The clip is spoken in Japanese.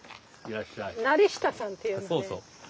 業久さんっていうのね。